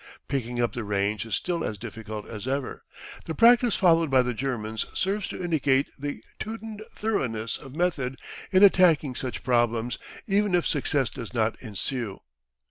Picking up the range is still as difficult as ever. The practice followed by the Germans serves to indicate the Teuton thoroughness of method in attacking such problems even if success does not ensue.